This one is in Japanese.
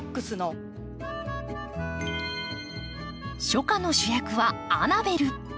初夏の主役はアナベル。